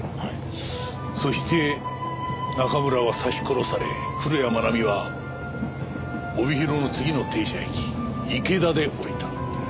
そして中村は刺し殺され古谷愛美は帯広の次の停車駅池田で降りた。